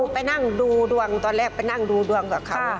ไปนั่งดูดวงตอนแรกไปนั่งดูดวงกับเขา